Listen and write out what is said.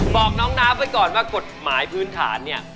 บอกน้องน้ำไว้ก่อนว่ากฎหมายพื้นฐานเนี่ย